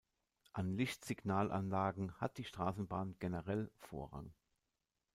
An Lichtsignalanlagen hat die Straßenbahn generell Vorrang.